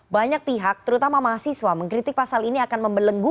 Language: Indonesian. banyak pihak terutama mahasiswa mengkritik pasal ini akan membelenggu